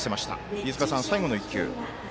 飯塚さん、最後の１球。